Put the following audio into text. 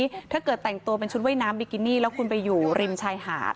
ถ้าเกิดแต่งตัวเป็นชุดว่ายน้ำบิกินี่แล้วคุณไปอยู่ริมชายหาด